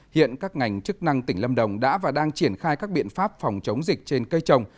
hiện các ngành chức năng tỉnh lâm đồng đã và đang triển khai các biện pháp phòng chống dịch trên cây trồng